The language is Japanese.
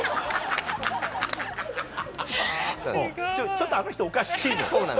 ちょっとあの人おかしい。